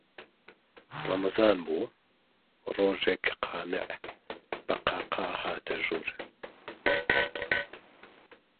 ڕەمەزان بوو، ڕۆژێک قانیع بە قاقا هاتە ژوور